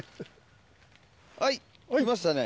はいできましたね。